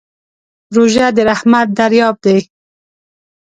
روژه د رحمت دریاب دی.